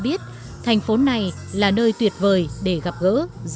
bạn dành thời gian làm gì khi ở vietnam vậy